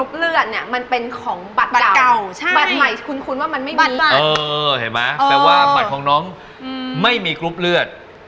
บัตรของน้องไม่มีกรุ๊ปเลือด